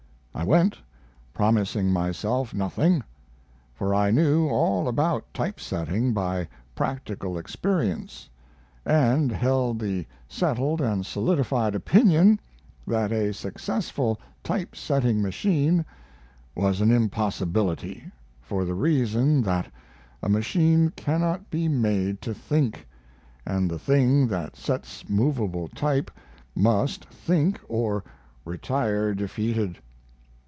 I went, promising myself nothing, for I knew all about type setting by practical experience, and held the settled and solidified opinion that a successful type setting machine was an impossibility, for the reason that a machine cannot be made to think, and the thing that sets movable type must think or retire defeated.